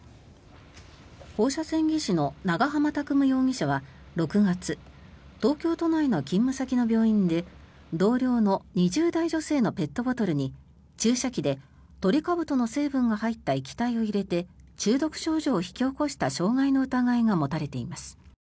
放射線技師の長濱拓夢容疑者は６月東京都内の勤務先の病院で同僚の２０代女性のペットボトルに注射器でトリカブトの成分が入った液体を入れて中毒症状を引き起こした傷害の疑いが持たれています。